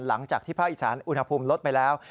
หลังจากที่ภาคอีสานอุณหภูมิลดไปแล้ว